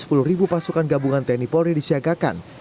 sedikitnya sepuluh ribu pasukan gabungan teknik polri disiagakan